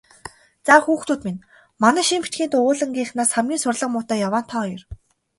Заа, хүүхдүүд минь, манай шинэ бичгийн дугуйлангийнхнаас хамгийн сурлага муутай яваа нь та хоёр.